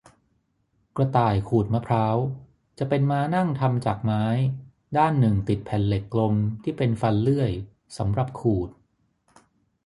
กระต่ายขูดมะพร้าว จะเป็นม้านั่งทำจากไม้ ด้านหนึ่งติดแผ่นเหล็กกลมที่เป็นฟันเลื่อย สำหรับขูด